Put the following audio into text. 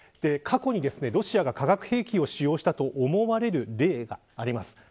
過去にロシアが核兵器を使用したと思われる例があります。